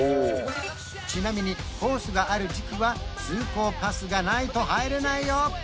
ちなみにコースがある時期は通行パスがないと入れないよ